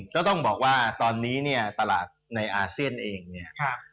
ต้องบอกว่าตอนนี้เนี่ยตลาดในอาเซียนเองเนี่ย